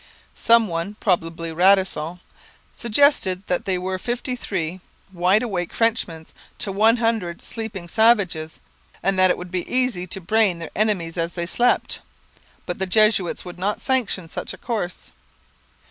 Some one, probably Radisson, suggested that they were fifty three wide awake Frenchmen to one hundred sleeping savages, and that it would be easy to brain their enemies as they slept; but the Jesuits would not sanction such a course.